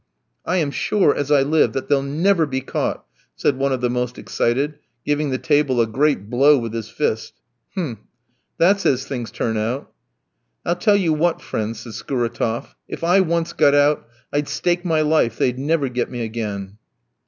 "I am sure, as I live, that they'll never be caught," said one of the most excited, giving the table a great blow with his fist. "Hm! That's as things turn out." "I'll tell you what, friends," said Skouratof, "if I once got out, I'd stake my life they'd never get me again."